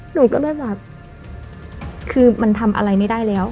หนูก็เลยแบบคือมันทำอะไรไม่ได้แล้ว